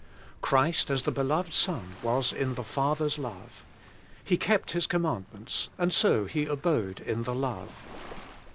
Christ as the beloved Son was in the Father's love. He kept His commandments, and so He abode in the love.